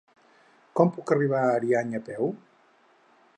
Com puc arribar a Ariany a peu?